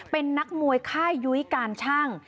เป็นนักมวยค่ายยุ้ยการชั่ง